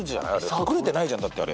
隠れてないじゃんだってあれ。